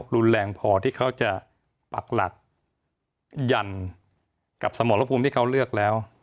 รุนแรงพอที่เขาจะปักหลักยันกับสมรภูมิที่เขาเลือกแล้ว